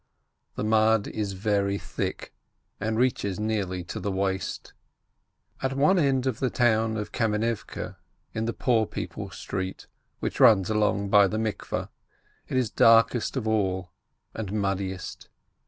The mud is very thick, and reaches nearly to the waist. At one end of the town of Kamenivke, in the Poor People's Street, which runs along by the bath house, it is darkest of all, and muddiest.